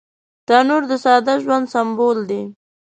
تنور د ساده ژوند سمبول دی